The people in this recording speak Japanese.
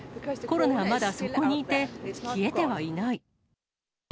コロナはまだそこにいて、消えてはいない。